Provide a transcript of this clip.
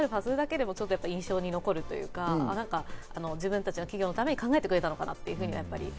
プラスアルファ印象に残るというか、自分たちの企業のために考えてくれたのかなというふうに。